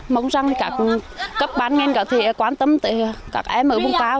mong rằng các cấp bán nghiên có thể quan tâm tới các em ở vùng cao